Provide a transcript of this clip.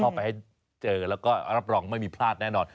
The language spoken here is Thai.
ไปให้เจอแล้วก็รับรองไม่มีพลาดแน่นอน